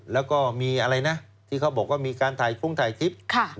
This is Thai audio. แล้วก็มีอะไรนะที่เขาบอกว่ามีการถ่ายฟุ้งถ่ายคลิป